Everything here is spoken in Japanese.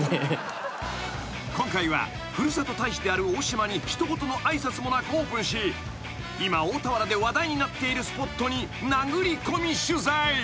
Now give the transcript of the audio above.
［今回はふるさと大使である大島に一言の挨拶もなくオープンし今大田原で話題になっているスポットに殴り込み取材］